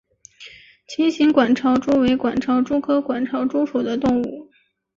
琴形管巢蛛为管巢蛛科管巢蛛属的动物。